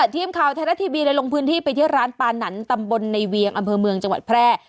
ทีมข่าวไทยรัฐทีวีเลยลงพื้นที่ไปที่ร้านปานันตำบลในเวียงอำเภอเมืองจังหวัดแพร่